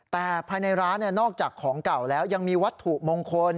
แต่ภายในร้านนอกจากของเก่าแล้วยังมีวัตถุมงคล